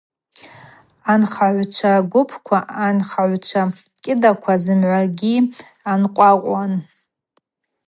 Анхагӏвчва гвыпква, анхагӏвчва кӏьыдаква зымгӏвагьи анкъвакъвуан.